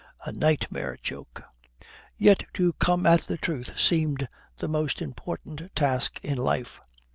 A nightmare joke. Yet to come at the truth seemed the most important task in life.